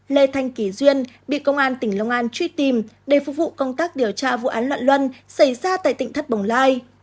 lê thanh kỳ duyên bị công an tỉnh long an truy tìm để phục vụ công tác điều tra vụ án loạn luân xảy ra tại tỉnh thất bồng lai